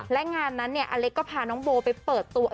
และงานนั้นเนี่ยอเล็กก็พาน้องโบไปเปิดตัว